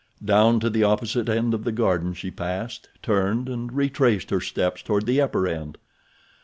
Down to the opposite end of the garden she passed, turned and retraced her steps toward the upper end.